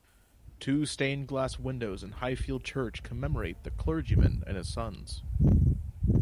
Two stained glass windows in Highfield Church commemorate the clergyman and his sons.